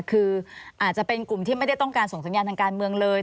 คืออาจจะเป็นกลุ่มที่ไม่ได้ต้องการส่งสัญญาณทางการเมืองเลย